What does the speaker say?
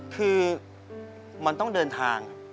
คือมันต้องเดินทาง